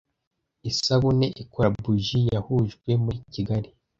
Isabune ikora buji yahujwe muri kigali